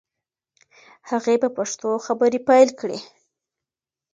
هغې په پښتو خبرې پیل کړې.